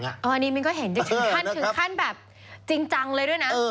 อันนี้มิ้นก็เห็นถึงขั้นแบบจริงจังเลยด้วยนะ